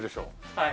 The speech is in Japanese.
はい。